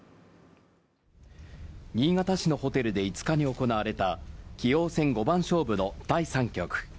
新潟市のホテルで５日に行われた棋王戦五番勝負の第３局。